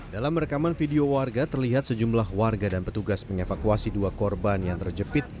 dalam rekaman video warga terlihat sejumlah warga dan petugas mengevakuasi dua korban yang terjepit